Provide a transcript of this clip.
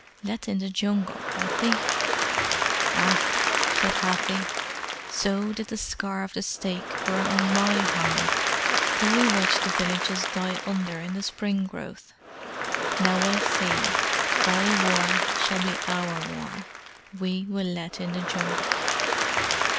Let in the Jungle, Hathi!" "Ah!" said Hathi. "So did the scar of the stake burn on my hide till we watched the villages die under in the spring growth. Now I see. Thy war shall be our war. We will let in the jungle!"